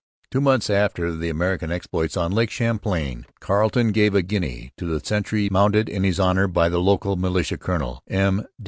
Two months after the American exploits on Lake Champlain Carleton gave a guinea to the sentry mounted in his honour by the local militia colonel, M.